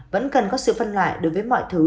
vẫn cần có sự phân loại đối với mọi thứ